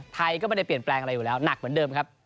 ไทยก็ไม่ได้เปลี่ยนแปลงอะไรอยู่แล้วหนักเหมือนเดิมครับ